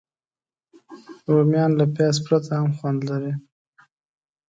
رومیان له پیاز پرته هم خوند لري